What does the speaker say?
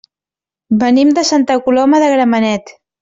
Venim de Santa Coloma de Gramenet.